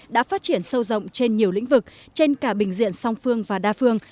đã phát triển sâu rộng trên nhiều lĩnh vực trên cả bình diện song phương và đa phương